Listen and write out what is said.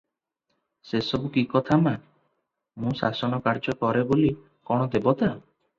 ସେ ସବୁ କିକଥା ମା, ମୁଁ ଶାସନ କାର୍ଯ୍ୟ କରେ ବୋଲି କଣ ଦେବତା!